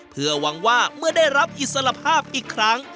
เพื่อหวังว่าเมื่อได้รับอิสระภาพอีกครั้ง